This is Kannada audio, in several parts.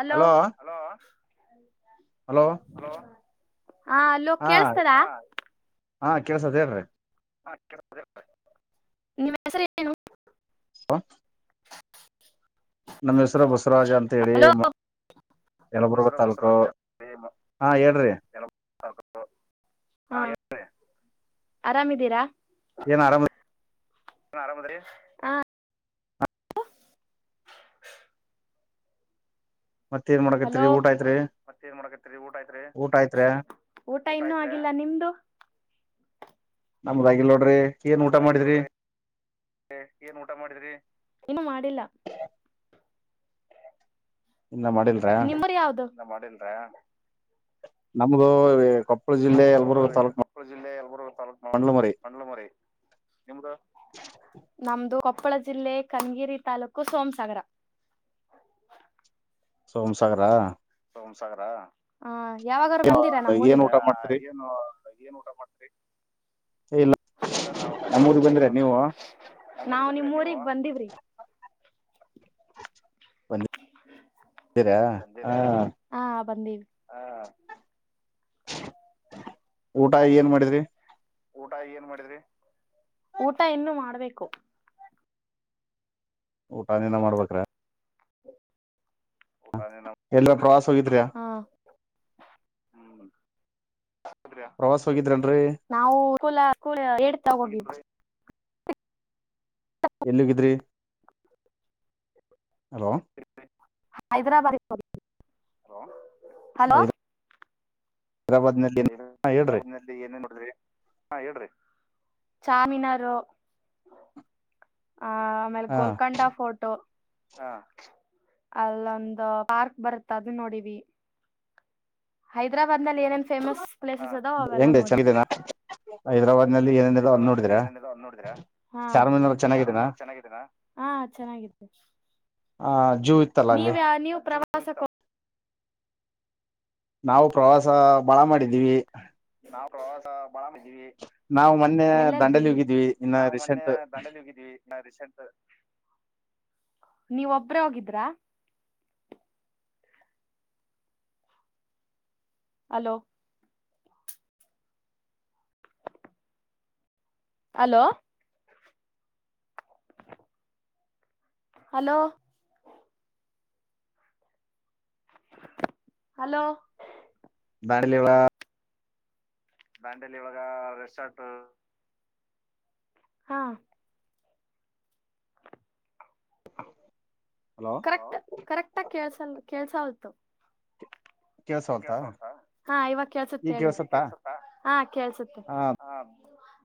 ಹಲೋ ಹಲೋ ಹಲೋ ಹ ಹಾ ಅಲ್ಲೋ ಹಾ ಕೇೇಳಸ್ತಾರ ಹಾ ಕೆಲಸ ಅದೇ್ರೀ ಹ ನಿಮ್ಮ ಹೆಸರು ಏನು ಅ [inaudible] ನಮ್ಮ ಹೆಸರು ಬಸವರಾಜ ಅಂತೇಳಿ ಹಲೋ ಮ ಯಲಬುರ್ಗ ಹೆಸರು ತಾಾಲೂಕು ಬಸವರಾಜ ಹಾ ಹೇಳ್ರಿ ಹ ಆರಾಮ [inaudible] ಏನ್ ಆರಾಮ ಹನ್ ಆರಾಮದ್ರಿ ಮತ್ತ ಏನ್ ಮಾಡಕತ್ರಿ ಹಲೋ ಊಟ ಆಯ್ತ್ರಿ ಮತ್ತೆ ಏನ್ ಮಾಡಾಕತ್ತೀರಿ ಊಟ ಆಯ್ತಾ? ಊಟ ಆಯ್ತ್ರಿ ಊಟ ಇನ್ನೂ ಆಗಿಲ್ಲ ನಿಂದು ನಮ್ಮ್ ರಾಗಿಲೋಡ ನಮದಾಗಿಲ್ ನೋಡ್ರಿ ಏನ್ ಊಟ ಮಾಡಿದ್ರಿ ಏನು ಮಾಡಿಲ್ಲ ಇನ್ನ ಮಾಡಿಲ್ರ ನಿಮ್ಮೂರು ಯಾವುದು ನ ಮಾಡಿಲ್ವೇ ನಮ್ದು ಕೊಪ್ಪಳ ಜಿಲ್ಲೆ ನಮ್ದು ಯಲಬುರ್ಗ ತಾಲೂಕ್ ಕೊಪ್ಪಳ ಜಿಲ್ಲೆ ಯಲ್ಬುರ್ಗ ತಾಲೂಕು ಮಂಡ್ಲಮರಿ ಮಂಡ್ಲಮರಿ ನಿಮ್ದ ನಮ್ದ ಕೊಪ್ಪಳ ಜಿಲ್ಲೆ ಕನಗಿರಿ ತಾಲೂಕು ಸೋಮಸಾಗರ ಸೋಮಸಾಗರ ಬೊಮ್ಸಾಗರ ಆಆ ಯಾವಾಗೂ ಬಂದೀರಾ ನಮ್ಮ ಊ ಏನ್ ಊಟ ಮಾಡ್ತರಿ ಬಂದ ಇಲ್ಲ ನಮ್ಮೂರಿಗ್ ನೀ ಬಂದ್ರ ನೀವು ನಾವು ನಿ ಬಂದೀವ್ರಿ ಸರಿಾ ಹ ಬಿ ಹ ಊಟ ಏನ್ ಮಾಡಿದ್ರಿ ಊಟ ಏನ್ ಮಾಡಿದ್ರಿ ಊಟ ಇನ್ನು ಮಾಡ್ಬೇಕು ಊಟ ನೀಿನ ಮಾಡ್ಬೇಕ್ರ ಹ್ಮ ಹ ಎಲ್ಲ ಪ್ರವಾಸ ಹೋಗಿದ್ರಯ ನಾವುಲ ಹೇಡ್ತಾ ಹೋಗ ಎಲ್ಲಿಹೋಗಿದ್ರು [unintelligible] ಹಲೋ ಹೈದರಾಬಾದ್ ಹೋಗಿ [unintelligible] ಹಲೋ ಹೈದರಾಬಾದ್ ನಲ್ಲಿ [unintelligible] ಹಾ ಹೇಳ್ರಿ ಏನ್ ಏನ್ ನೋಡಿದ್ರಿ ಹಾ ಹೇಳ್ರಿ ಚಾಮಿನಾರು ಆ ಆಮೇಲೆ ಹಾ ಕೊಳ್ಕೊಂಡಾಫೋರ್ಟು ಆ ಅಲ್ಲೊಂದು ಪಾರ್ಕ್ ಬರುತ್ತ ಅದುನ್ ನೋಡಿವಿ ಹೈದ್ರಾಬಾದ್ನಲ್ ಏನೆನ್ ಫೇಮಸ್ ಪ್ಲೇಸಸ್ ಇದಾವ ಅವೆಲ್ಲ ಹೆಂಗ ನೋಡಿ ಚೆನ್ನಾಗಿದ್ದೇನಾ ಹೈದರಾಬಾದ್ ನಲ್ಲಿ ಏನೇನಿದೆ ಅದ್ ಹೈದರಾಬಾದ್ ನೋಡಿದ್ರ ನ್ಲ್ಲಿ ಏನೇನು ಇದಾವೆ ನೋಡಿದಿರಾ ಹಾ ಚಾರ್ಮಿನಾರ್ ಚೆನ್ನಾಗಿದ್ದೇನಾ ಚಾರ್ಮಿನಾರ್ ಚೆನ್ನಾಗಿದೆ ಚೆನ್ನಾಗಿದೆ ಆ ಜೂ ಇತ್ತಲ್ಲ ಅಲ್ಲಿ ನೀವ್ಯಾ ನೀವ್ ಪ್ರವಾಸಕ್ ನಾವು ಪ್ರವಾಸ ಬಾಳ ಮಾಡಿದ್ದೀವಿ ನಾವ್ ಪ್ರವಾಸ [unintelligible] ನಾವು ಮೊನ್ನೆ ಎಲ್ಲೆಲ್ ದಾಂಡಲಿ ಹೋಗಿರಿ ಹೋಗಿದ್ವಿ ಇನ್ನ ನಾವು ಮನ್ನೆ ರೀಸೆಂಟ್ ದಾನ್ಡೇಲಿ ಹೋಗಿದಿವಿ ನಾವ್ ರಿಸನ್ ನೀವ್ ಒಬ್ರೇ ಹೋಗಿದ್ರಾ hello hello hello hello [unintelligible] Dandeli ಒಳಗ ರೆಸಾರ್ಟ್ ಹಾ ಹಲೋ ಕರೆಕ್ಟ್ ಕರೆಕ್ಟ್ಗ ಕೇಳ್ಸಲ್ ಕಳ್ಸ ಹ [unintelligible] ಕೇಳ್ಸವಲ್ತ [unintelligible] ಹಾ ಈವಾಗ ಕೇಳ್ಸುತ್ ಈಗ ಹೇಳಿರಿ ಈಗ್ ಕೇಳ್ಸತ್ತಾ ಕೇಳ್ಸುತ ಹಾ ಕೇಳ್ಸುತ್ತೆ ಆ ಹಾ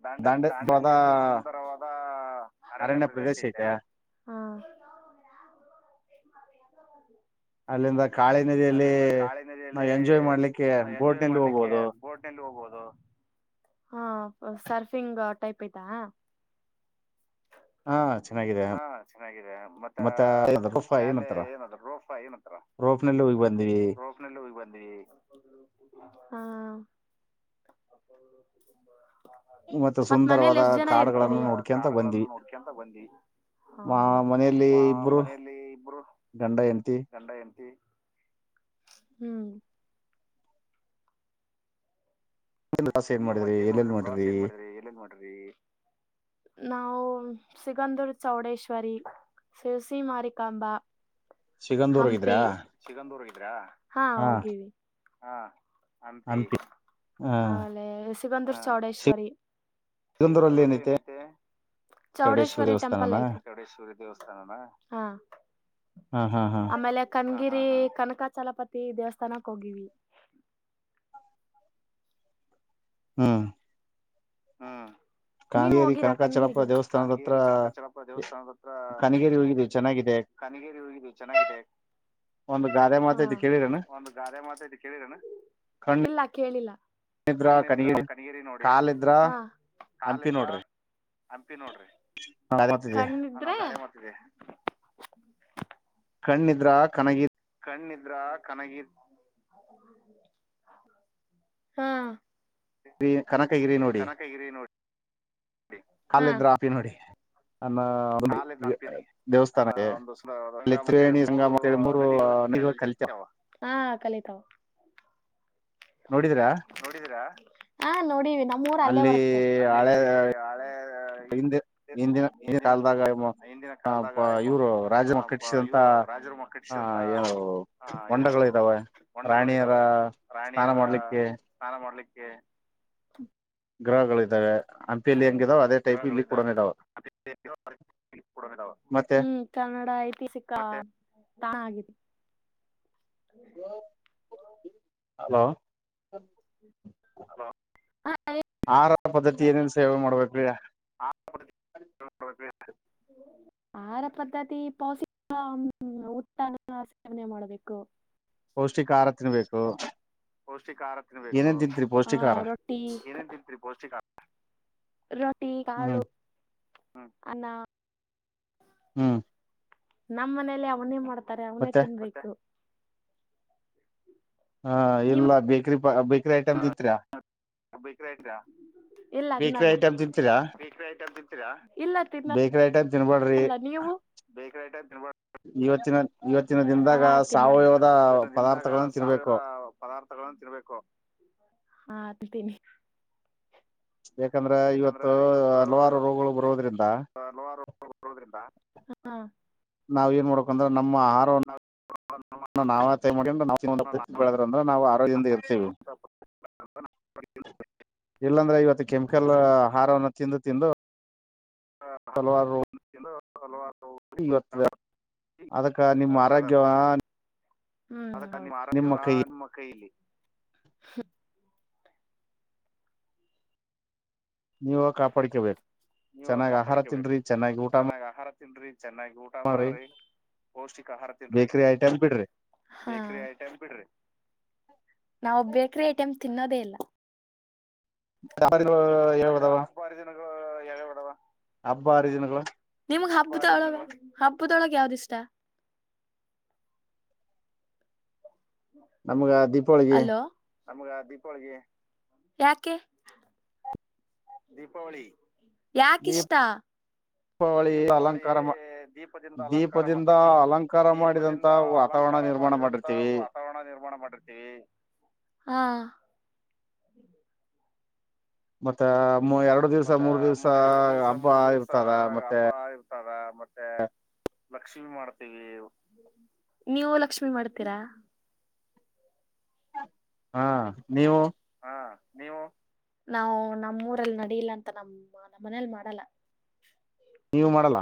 ದಾಂಡೇಲ್ ದಾಂಡ ಹೋದ ದಾಂಡೇಲಿಯಲ್ಲಿ ಸುಂದರವಾದ ಅರಣ್ಯ ಪ್ರದೇಶ ಆಯ್ತೆ ಹಾ [unintelligible] ಅಲ್ಲಿಂದ ಕಾಳಿ ನದಿಯಲ್ಲಿ ಅಲ್ಲಿಂದ ಕಾಳಿ ನಾವ್ ನದಿಯಲ್ಲಿ ಎಂಜಾಯ್ ಮಾಡ್ಲಿಕ್ಕೆ ಬೋಟ್ನಲ್ಲಿ ಹೋಗಬೋದು [unintelligible] ಹ ಸರ್ಫಿಂಗ್ ಟೈಪ್ ಐತ ಹಾ ಚೆನ್ನಾಗಿದೆ ಹಾ ಚೆನ್ನಾಗಿದೆ ಮತ್ತ ಮತ್ತೆ ರೋಪ ಮ್ಯಾಲೆ ಏನಂತಾರ ಏನದು ರೋಫಾ ಏನತ್ತಾರ [unintelligible] ರೋಪ್ ನಲ್ಲಿ ಹೋಗಿ ಬಂದ್ವಿ ರೋಫನಲ್ಲಿ ಹೋಗಿ ಬಂದವಿ ಹಾ ಮತ್ತೆ ಮತ್ತ್ ಮನೆಯಲ್ಲಿ ಸುಂದರವಾದ ಎಷ್ಟ ಜನ ಇರ್ತರಿ ಕಾಡುಗಳನ್ನು [unintelligible] ನೋಡ್ಕೊಂತ ಕಾಡುಗಳನ್ನ ಬಂದ್ವಿ ನೋಡ್ಕಂತ ಬಂದಿ ಮಾ ಮನೆಯಲ್ಲಿ ಇಬ್ರು ಮನೆಯಲ್ಲಿ ಇಬ್ಬರು ಗಂಡ ಹೆಂಡತಿ ಗಂಡ ಹೆಂಡ್ತಿ ಹ್ಮ್ ಪ್ರವಾಸ ಏನ್ ನೀವ್ ಮಾಡಿದ್ರಿ ಮತ್ತೇಏನ್ ಎಲ್ಲೆಲ್ ನೋಡ್ರಿ ಪ್ರವಾಸ ಏನ್ ಮಾಡ್ರಿ ಎಲ್ಲನ್ [unintelligible] ಮಾಡಿದ್ರಿ ನಾವು ಸಿಗಧೂರ್ ಚೌಡೇಶ್ವರಿ ಸಿರಸಿ ಮಾರಿಕಾಂಬ ಸಿಗಂದೂರ್ಗಿದ್ರಾ ಅ್ರ ಹಾ ಹೋಗಿವಿ ಹಾ ಅಂತ ಹಾ ಸಿವಂಧೂರ್ ಚೌಡೇಶ್ವರಿ ಸಿಗಂದೂರಲ್ಲಿ ಏನಿದೆ ಚೌಡೇಶ್ವರಿ ಟೆಂಪಲ್ ಹಾ ಹಾ ಹಾ ಶ್ರೀ ಕನಕಚಲಪತಿ ದೇವಸ್ಥಾನಕ್ಕೆ ಹೋಗವಿ ಹ್ಮ ಹಾ ನೀವು ಹೋಗಿರಾ ಕಗಿ ಕನಕಾಚಲಪುರ ದೇವಸ್ಥಾನದ ಹತ್ರ ಕಗೇರಿ ಕನಕಚಲಪ್ಪ ದೇವಸ್ಥಾನದತ್ರ ಕನಗೇರಿ ಹೋಗಿದ್ವಿ ಚೆನ್ನಾಗಿದೆ ಕಗೇರಿ ಹೋಗ ಚೆನ್ನಾಗಿದೆ ಒಂದು ಗಾದೆ ಮಾತೈತಿ ಕೇಳಿರೇನ ಗ ಮಾ ಇಲ್ಲ ಕೇಳಿಲ್ಲ ಇದ್ರ ಕಣ್ಣಿದ್ರ ಕಣಗ ಕನಗೇರಿ ನೋಡಿ ಕಾಲ ಇದ್ರ ಹಾ ಕಾಲಿದ್ರ ಅ ನೋಡ್ರಿ ಗಾದೆ ಮಾತಿದೆ ಕಣ್ಣಿದ್ರೆ ಕಣ್ಣಿದ್ರ ಕನಗಿದ ಕಣ್ಣಿದ್ರ ಕನಗಿ ಹ್ಮ ಇ ಕನಕಗಿರಿ ನೋಡಿ ಕಾಲಿದ್ರ ಆಪಿ ನೋಡಿ ಅನ್ನೋ ಕಾಲ್ದ ಅಂತರಿ ಅನ್ನ ದೇವಸ್ಥಾನಕ್ಕೆ ಅಲ್ಲಿ ಒಂದುಸಂಗ ಮತ್ತೆ ತ್ರಿವೇಣಿ ಮೂರು ಸಂಗಮ ಅಂತೇಳಿ ಮೂರು ನದಿಗಳು ಕಲಿತಾವ ಹ ಕಲಿತಾವ ನೋಡಿದ್ರ ನೋಡಿದೀರಾ ಹಾ ನೋಡಿ ನಮ್ಮೂರ ಅಲ್ಲೇ ಅಲ್ಲಿ ಬರುತ್ತೆ ಅಲ್ಲಿ ಹಳೆ ಹಳೆ ಹಿಂದಿನ ಹಿಂದಿನ ಕಾಲದಾಗ ಇವ್ರು ರಾಜ ಕಟ್ಟಿಸಿದಂತ ಇವ್ರು ರಾಜರಮ್ಮ ಆ ಕಟ್ಟಿಸಿದಂತ ಏನು ಆ ಹೊಂಡಗಳು ಇದ್ದಾವೆ ಹೊಂಡಗಳು ರಾಣಿಯರ ಇದಾವೆ ಸ್ನಾನ ಪ್ರಾಣಿಯರ ಸ್ನಾನ ಮಾಡ್ಲಿಕ್ಕೆ ಹ ಗ್ರಹಗಳ್ದಾವೆ ಮತ್ತೆ ಹ್ಮ್ ಕನ್ನಡ ಐತಿಹಾಸಿಕಾ ತಾಣ ಆಗಿತ್ತು ಹ [inaudible] ಹಲೋ ಲ ಹ ಆಹಾರ ಪದ್ಧತಿ ಏನೇನು ಸೇವೆ ಮಾಡ್ಬೇಕು್ರೀ ಆ [unintelligible] ಆಹಾರ ಪದ್ಧತಿ ಪೌಷಿಕ ಉತ್ತ ಸೇವನೆ ಮಾಡಬೇಕು ಪೌಷ್ಟಿಕ ಆಹಾರ ತಿನ್ಬೇಕು ಪೌಷ್ಟಿಕ ಆಹಾರ ತಿನ್ಬೇಕು ಏನೇನ್ ತಿಂತರಿ ಹಾ ಪೌಷ್ಟಿಕ ಆಹಾರ ರೊಟ್ಟಿ ಏನ್ ಏನ್ ತಿಂತೀರಿ ಪೌಷ್ಟಿಕ ಆಹಾರ ರೊಟ್ಟಿ ಹ್ಮ್ ಕಾಳು ಹ್ಮ್ ಅನ್ನಾ ಹ್ಮ್ ನಮ್ಮ್ ಮನೇಲಿ ಅವನೇ ಮಾಡ್ತ ತಾರೆ ಅವನೇ ಮತ್ತೆ ತಿನ್ಬೇಕು [inaudible] ಹಾ ನಿಮ್ ಎಲ್ಲ ಬೆ [unintelligible] [unintelligible] ಬೇಕ ಬೇಕರಿ ಐಟಂ ತಿಂತ್ರಾ ಹ ಬೇಕ್ರಟ್ರಾ [unintelligible] ಇಲ್ಲ ಬೇಕ್ರಿ ತಿನ್ನಲ್ಲ ಐಟಮ್ ತಿಂತೀರಾ [unintelligible] ಬೇಕರಿ ಐಟಂ ತಿಂತೀರಾ ಇಲ್ಲ ತಿನ್ನಲ್ಲ ಬೇಕ್ರಿ ಐಟಮ್ ತಿನ್ಬಾಡ್ರಿ ಅಲ್ಲ ನೀವು ಬೇಕರಿ ಐಟಂ ತಿನ್ಬೇಡ್ರಿ ಇವತ್ತಿನ ಇವತ್ತಿನ ದಿನದಾಗ ಸಾವಯವದ [unintelligible] ಇವತ್ತಿನ ದಿಂದಾಗಿ ಪದಾರ್ಥಗಳನ್ನ ಸಾವಯವ ತಿನ್ಬೇಕು ಪದಾರ್ಥಗಳನ್ನಾ ತಿನ್ಬೇಕು [unintelligible] ತನಿ ಯಾಕಂದ್ರೆ ಇವತ್ತು ಹಲವಾರು ರೋಗಗಳು ಬ [unintelligible] ಹದ [unintelligible] ಲೋಡೋದ್ರಿಂದ [unintelligible] ಹಾ ನಾವ ಏನ್ ಮಾಡಬೇಕಕಂದ್ರ [unintelligible] ನಮ್ಮ ಆಹಾರ ನಾವ [unintelligible] ಮಾಡ್ರ ನಾವು ಬೆಳದ್ರ [unintelligible] ಅಂದ್ರ ನಾವು ಆರೋಗ್ಯದಿಂದ ಇರ್ತೀವಿ ಇಲ್ಲಾಂದ್ರೆ ಇವತ್ತು ಕೆಮಿಕಲ್ ಹಾರವನ್ನು ತಿಂದು ತಿಂದು ಆತ್ ಹಲವಾರು [unintelligible] ಹಲ [unintelligible] ಇವತ್ತು [unintelligible] ಅದಕ್ಕ ನಿಮ್ಮ ಆರೋಗ್ಯವ ಬೆಳೆದತ್ತ ಹ್ಮ್ ನಮ್ಮ ಆರೋಗ್ಯ ನಿಮ್ಮ ಕೈಯಲ್ಲಿ ಹ [unintelligible] ನೀವು ಕಾಪಾಡ್ಕಬೇಕು ನೀವ ಚೆನ್ನಾಗ್ ಆಹಾರ ಕಾಪಾಡ್ಕೊಬೇಕು ತಿನ್ರಿ ಚೆನ್ನಾಗಿ ಊಟ ಮಾ ಚೆನ್ನಾಗ್ ಆಹಾರ ತಿನ್ರಿ ಚೆನ್ನಾಗಿ ಊಟ ಮಾಡ್ರಿ ಪೌಷ್ಟಿಕ ಆಹಾರ ತಿನ್ರಿ ಬೇಕರಿ ಐಟಮ್ ಬಿಡ್ರಿ ಬೇಕರಿ ಐಟಂ ಬಿಡ್ರಿ ನಾವು ಬೇಕರಿ ಐಟಂ ತಿನ್ನೋದೇ ಇಲ್ಲ ಯ ಹೇಳ್ಬದಾವ [unintelligible] ಯಾವ [unintelligible] ಬಡವಾ ಹಬ್ಬಾ ಆರಿದಿನಗಳ [unintelligible] ಹಬ್ಬದೊಳಗೆ ಯಾವ್ದ ಇಷ್ಟ ನಮ್ಗ ದೀಪಾವಳಿಗೆ ಅಲೋ ನಮ್ಗ ದೀಪಾವಳಿಗೆ ಯಾಕೆ ದೀಪಾವಳಿ ಯಾಕಿಷ್ಟ ದೀಪಾವಳಿ ದೀಪದಿಂದ ಅಲಂಕಾರ ದೀಪದಿಂದ ಅಲಂಕಾರ ಮಾಡಿದಂತ ದೀಪದಿಂದ ವಾತಾವರಣ ಅಲಂಕಾರ ನಿರ್ಮಾಣ ಮಾಡಿದಂತ ಮಾಡಿರ್ತೀವಿ ವಾತಾವರಣ ನಿರ್ಮಾಣ ಮಾಡ ರೊಟ್ಟಿ ಹಾ ಮತ್ತ ಎರಡು ದಿವ್ಸ ಮತ್ತ ಮೂರ್ ದಿವ್ಸ ಎರಡು ದಿವ್ಸ ಹಬ್ಬ ಮೂರ್ ದಿವ್ಸ ಇರ್ತದ ಮತ್ತೆ ಹಬ್ಬ ಇರ್ತಾರ ಮತ್ತೆ ಲಕ್ಷ್ಮಿ ಮಾಡ್ತ [inaudible] ನೀವು ಲಕ್ಷ್ಮಿ ಮಾಡ್ತೀರಾ ಹಾ ನೀವು ಹ ನೀವು ನಾವು ನಮ್ಮೂಊರಲ್ಲಿ ನಡಿಯಲ್ಲ ಅಂತ ನಮ್ಮ ನಮ್ಮ ಮನೇಲಿ ಮಾಡಲ್ಲ ನೀವು ಮಾಡಲ್ಲ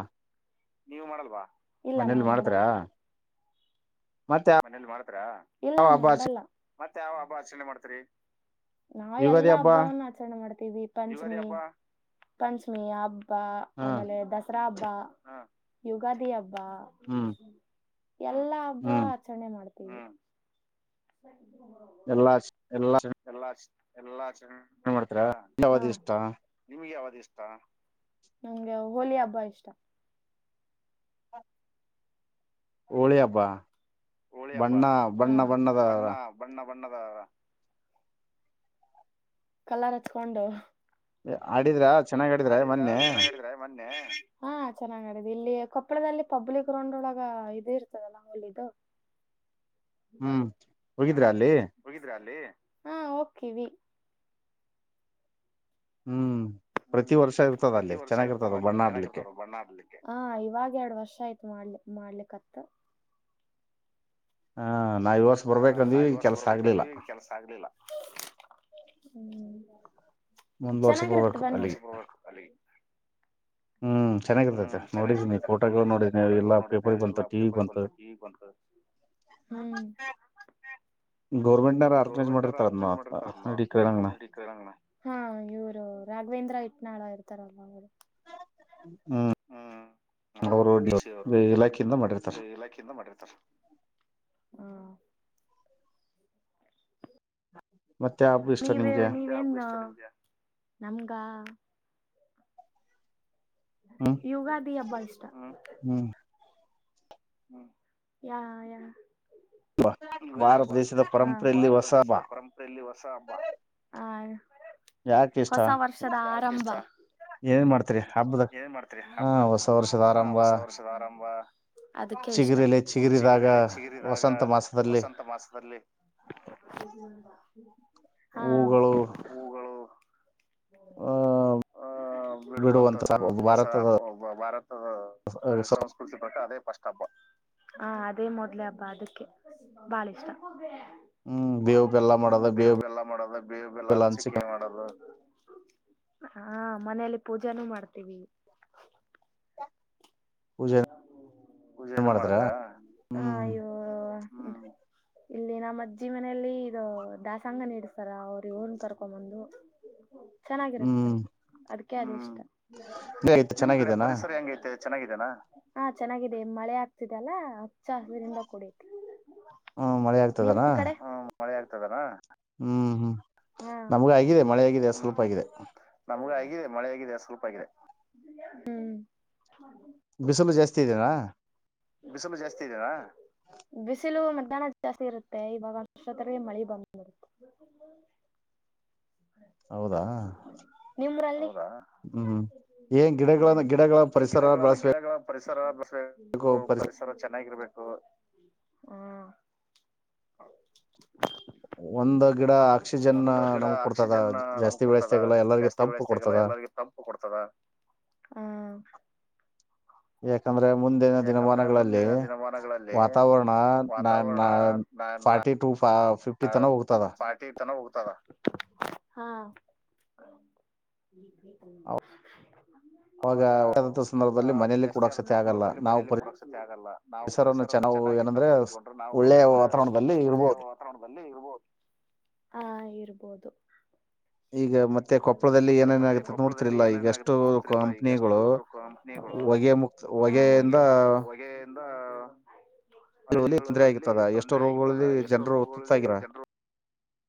ನೀವು ಮಾಡಲ್ವಾ ಇಲ್ಲ ಮನೇಲಿ ನಾವು ಮಾಡಲ್ಲ ಮಾಡ್ತ್ರರ ಮನೇಲಿ ಮಾಡ್ತಾರ ಇಲ್ಲ ಯಾವ ಹಬ್ಬ ಮಾಡಲ್ಲ ಮತ್ತ ಯಾವ ಹಬ್ಬ ಆಚರಣೆ ಮಾಡ್ತಿರಿ ನಾವ್ ಯುಗಾದಿ ಎಲ್ಲಾ ಹಬ್ಬ ಹಬ್ಬವನ್ನ ಆಚರಣೆ ಮಾಡ್ತವಿ ಪಂಚಮೀ ಪಂಚಮೀ ಅಬ್ ಹಾ ಆಮೇಲೆ ದಸರಾ ಯುಗಾದಿಿಯ ಬ ಹ್ಮ್ ಎಲ್ಲಾ ಹಬ್ಬಾ ಹ್ಮ್ ಮಾಡ್ತೀವಿ ಸ ಎಲ್ಲಾ ಎಲ್ಲಾ ಎಲ್ಲಾ ಎಲ್ಲಾ ಮಾಡ್ತೀರಾ ಮಾಡ್ತರಾ ಯಾವದ ಇಷ್ಟ ನಿಗೆ ನಮ್ಗೆ ಹೋಳ ಹಬ್ಬ ಇಷ್ಟ ಓಳಿಯಬಾ ಹೋಳಿ ಹಬ್ಬ ಬಣ್ಣ ಹಾ ಬಣ್ಣ ಬಣ್ಣದ ಬಣ್ಣ ಬಣ್ಣ ಬಣ್ಣದ ಕಲ್ಲರ್ಚ್ಕೊಂಡು ಹ ಆಡಿದ್ರ ಚೆನ್ನಾಗ್ ಆಡಿದ್ರ ಮೊನ್ನೆ ಚೆನ್ನಾಗ್ ಆಡಿದ್ರ ಮೊನ್ನೆ ಹಾ ಚೆನ್ನಾಗ್ ಆಡಿದೆ ಇಲ್ಲಿ ಕೊಪ್ಪಳದಲ್ಲಿ ಪಬ್ಲಿಕ್ ಗ್ರೌಂಡ್ ಒಳಗ ಇದ್ ಇರ್ತದಲ್ಲ ಹಲಿದು ಹ್ಮ್ ಹೋಗಿದ್ರಾ ಅಲ್ಲಿ ಹೂ ಹೊಕ್ಕಿವಿ ಹ್ಮ್ ಪ್ರತಿ ಹ್ಮ್ ವರ್ಷ ಇರ್ತದ ಪ್ರತಿ ಅಲ್ಲಿ ವರ್ಷ ಇರ್ತದ ಚೆನ್ನಾಗಿರ್ತದ ಅಲ್ಲಿ ಬಣ್ಣ ಆಡ್ಲಿಕ್ಕೆ ಚೆನ್ನಾಗಿರ್ತದ ಬಣ್ಣ ಆಡ್ಲಿಕ್ಕೆ, ಹ ಇವಾಗ್ ಎರಡ್ ವರ್ಷ ಆಯ್ತು ಮಾಡ್ಲಿ. ಮಾಡ್ಲಿಕ್ ಹತ್ತ ಆಂ. ಹಾ ನಾವ್ ಈ ವರ್ಷ್ ಬರ್ಬೇಕಂದ್ವಿ ಈಗ್ ಕೆಲಸ ಆಗ್ಲಿಲ್ಲ. ಹ್ಮು. ಮುಂದ್ ವರ್ಷ ಚೆನ್ನಾಗಿರುತ್ ಬರ್ಬೇಕು ಬನ್ನಿ. ಅಲ್ಲಿಗೆ ಹ್ಮ್ ಹ್ಮು ಚೆನ್ನಾಗಿರ್ತೈತೆ ನೋಡಿದೀನಿ ಚೆನ್ನಾಗಿರ್ತೈತೆ ಫೋಟೋಗಳು ನೋಡಿದೀನಿ ಎಲ್ಲಾ ಫೋಟೋಗುಳ್ ನೋಡಿದಿನಿ ಪೇಪರ್ಗ್ ಬಂತು ಎಲ್ಲಾ ಟಿವಿ ಪೇಪರ್ಗ್ ಬಂತು ಟಿವಿಗ್ ಬಂತು, ಹ್ಮು, ಗೌರ್ಮೆಂಟ್ನವ್ರು ಆರ್ಗನೈಸ್ ಗೌರ್ಮೆಂಟ್ನಾರ ಮಾಡಿರ್ತಾರ ಅದನ್ನ ಆರ್ಗನೈಸ್ ಮಾಡಿರ್ತರ ಇಡೀ ಕ್ರೀಡಾಂಗಣ ಅದನ [unintelligible] ಹಾ ಇವ್ರೂ ರಾಘವೇಂದ್ರ ಹಿಟ್ನಾಳ್ ತರವಲ್ಲ [unintelligible] [inaudible] ಹ್ಮ್ ಅವರು ಡಿಸಿ ಅವರು ಎಲ್ಲ ಇಲಾಖೆಯಿಂದ ಮಾಡಿರ್ತಾರ ಇಲಾಖೆಯಿಂದ ಮಾಡಿರ್ತಾರ. ಹಾ. ಮತ್ತೆ ಹಬ್ಬ ಇಷ್ಟ ನಿಮ್ಗೆ ನೀವೇನ್ ನೀವೇನ್? ನಮ್ಗಾ? ಹ್ಮ್ ಯುಗಾದಿ ಹಬ್ಬ ಇಷ್ಟ. ಹ್ಮ್ ಹ್ಮ್ ಯಾ ಯಾ ಯುಗಾದಿ ಭಾರತ ಹಬ್ಬ, ದೇಶದ ಹಾ, ಪರಂಪರೆಯಲ್ಲಿ ಹೊಸ ಭಾರತ ಹಬ್ಬ ದೇಶದ ಪರಂಪರೆಯಲ್ಲಿ ಹೊಸ ಹಬ್ಬ, ಹಾ ಯಾಕಿಷ್ಟ? ಆರಂಭ ಏನ್ ಮಾಡ್ತಿರಿ? ಏನ್ ಮಾಡ್ತಿರಿ? ಹಬ್ಬದ್ ಹ ಆರಂಭ ಹೊಸ ವರ್ಷದ ಆರಂಭ, ಅದಕ್ಕೆ ಇಷ್ಟ, ಚಿಗುರಿಲಿ ಚಿಗುರಿದಾಗ ಚಿಗುರೆಲೆ ಚಿಗುರಿದಾಗ ವಸಂತ ಮಾಸದಲ್ಲಿ ವಸಂತ ಮಾಸದಲ್ಲಿ ಹಾ, ಹೂಗಳು ಹೂಗಳು ಅ ಆ ಬಿಡುವಂತ್ ಬಿಡುವಂತ ಅದು ಹೊಸ ಭಾರತದ ಹಬ್ಬ ಭಾರ ತದ ಸ ಸಂಸ್ಕೃತಿ ಪ್ರಕಾರ ಅದೇ ಫಸ್ಟ್ ಹಬ್ಬ ಆ ಅದೇ ಮೊದ್ಲೆೇ ಹಬ್ಬಾ ಅದಕ್ಕೆ ಬಾಳ ಇಷ್ಟ. ಹ್ಮ ಬೇವು ಬೆಲ್ಲ ಹ್ಮ್ ಮಾಡೋದ್ ಬೇವು ಬೇವ್ ಬೆಲ್ಲ ಮಾಡೋದು ಬೇವು ಬೆಲ್ಲ ಹಂಚಿಕೆ ಮಾಡೋದು ಹಾ ಮನೇಲಿ ಪೂಜೇನೂ ಮಾಡ್ [unintelligible] ಪೂಜೆ ಪೂಜೇನು ಮಾಡಿದ್ರ ಮಾಡದ್ರಾ? ಹ್ಮ್ ಆಯ್ಯೋ ಹ್ಮ, ಇಲ್ಲಿ ನಮ್ ಅಜ್ಜಿ ಮನೇಲಿ ಇದು ದಾಸಂಗನ ಇಡ್ಸ್ತಾರ ಅವ್ರು ಇವ್ರನ್ ಕರ್ಕೊಂಬಂದು ಚೆನ್ನಾಗಿರುತ್ತೆ, ಹ್ಮ್ ಅದಕ್ [unintelligible] ಇಷ್ಟ ಐತೆ ನಿಮ್ ಕಡೆ ಚೆನ್ನಾಗಿದ್ದೇನಾ ಪರಿಸರ ಹೆಂಗೈತೆ? ಚನ್ನಾಗಿದಾನ? ಹಾ ಚೆನ್ನಾಗಿದೆ ಇ ಮಳೆ ಆಗ್ತಿದೆ ಅಲ್ಲಾ ಹಚ್ಚ ಹಸ್ರಿಂದ ಕೂಡೈತಿ. ಊ ಮಳೆ ನಿಮ್ ಆಗ್ತದಲ್ಲಾ ಕಡೆ ಹ್ಮ್ ಮಳೆ ಆಗ್ತದಲಾ ಹ್ಮ್ ಹು. ನಮ್ಗ್ ಆಗಿದೆ ಮಳೆ ಆಗಿದೆ ಸ್ವಲ್ಪ ಆಗಿದೆ. ಈಗ್ ಆಗಿದೆ ಮಳೆ ಆಗಿದೆ ಸ್ವಲ್ಪ ಆಗಿದೆ, ಹ್ಮ. ಬಿಸಲು ಜಾಸ್ [unintelligible] ಬಿಸಲು ಜಾಸ್ತಿ ಇದೆನಾ? ಬಿಸಿಲು ಮತ್ [unintelligible] ಜಾಸ್ತಿ ಇರುತ್ತೆ ಇವಾಗ್ ಇಷ್ಟೊತ್ತಲ್ಲಿ ಮಳಿ ಬಂದ್ ಇರುತ್ತೆ. ಹೌದಾ? ಹ್ಮ್ ಏನ್ ಗಿಡಗಳನ್ನ ಹ್ಮ್ ಗಿಡಗಳ ಏನ್ ಪರಿಸರ ಗಿಡಗಳನ್ನ ಬೆಳಸ್ಬೇಕ್ ಗಿಡಗಳ ಪರಿಸರ [unintelligible] ಗೋ ಪರಿಸರ ಚೆನ್ನಾಗಿರ್ಬೇಕ್ ಒಂದ ಗಿಡ ಆಕ್ಸಿಜನ್ ಒಂದ ಗಿಡ ನಮ್ ಕೊಡ್ತದ ಆಕ್ಸಿಜನ್ ನಮ್ಗ್ ಜಾಸ್ತಿ ಕೊಡ್ತದ ಬೆಳೆಸ್ದಾಗೆಲ್ಲ ಎಲ್ಲರಿಗ ಜಾಸ್ತಿ ತಂಪು ಬೆಳೆಸ್ದಾಗೆಲ್ಲ ಕೊಡ್ತದ. ಎಲ್ಲರಿಗ ತಂಪು ಕೊಡ್ತದ [unintelligible] ಯಾಕಂದ್ರೆ ಮುಂದಿನ ಯಾಕಂದ್ರೆ ದಿನಮಾನಗಳಲ್ಲಿ ಮುಂದಿನ ದಿನಮಾನಗಳಲ್ಲಿ ವಾತಾವರಣ ನಾನ್ ನಾ ವಾತಾವರಣ ನಾ ನಾ ಫಾರ್ಟಿ ಟು ತ ಫಿಫ್ಟಿ ತನ ಹೋಗ್ತದ. ಹಾ ಅವಾಗ ವ ಆ ಸಂದರ್ಭದಲ್ಲಿ ಮನೇಲಿ ಜಾಸ್ತಿ ಕೂಡಸತಿ ಆದಂತ ಆಗಲ್ಲ ಸಂದರ್ಭದಲ್ಲಿ ನಾವು ಮನೇಲಿ ಪರಿ ಕುಡಕ್ಸತಿ ಆಗಲ್ಲ ನಾವು ಸರವನ್ನು ಪರಿಸರವನ್ನು ಚೆನ್ನವು ಚೆನ್ನಾಗಿ ಏನಂದ್ರೆ ತಂಪಾಗಿ ಇಟ್ಕೊಂಡ್ರೆ ಒಳ್ಳೆಯ ವಾತಾವರಣದಲ್ಲಿ ಇರ್ಬೋದು. ಹ್ಮ್ ಇರ್ಬೋದು. ಈಗ ಮತ್ತೆ ಕೊಪ್ಪಳದಲ್ಲಿ ಈಗ ಮತ್ತೆ ಏನೇನಾಗತ್ತೆ ಕೊಪ್ಪಳದಲ್ಲಿ ನೋಡ್ತಿರಿಲ್ಲ ಈಗ ಎಷ್ಟು ಏನೇನಾಗತ್ತೆ ನೋಡ್ತಿರಿಲ್ಲ ಈಗಷ್ಟು ಕಂಪ್ನಿಗಳು ಕಂಪನಿಗಳು ಹೊಗೆ ಮುಕ್ತ ಹೊಗೆಯಿಂದ ಹೊಗೆ ಮುಕ್ ಹೊಗೆಯಿನ್ ದಾ ತೊಂದರೆ ಆಗಿರ್ತದ ಎಷ್ಟು ಆಗಿರ್ತದ ರೋಗಗಳಲ್ಲಿ ಜ ಎಷ್ಟೋ ಜನರು ರೋಗಗಳಲ್ಲಿ ತುತ್ತಾಗಿರ. ಜನರು